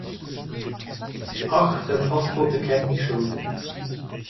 Ach, der Postbote kennt mich schon.